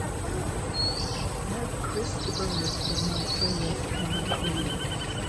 add Chris de Burgh in my playlist melancholia